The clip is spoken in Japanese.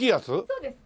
そうです。